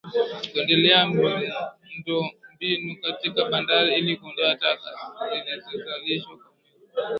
Kuendeleza miundombinu katika bandari ili kuondoa taka zilizozalishwa kwa meli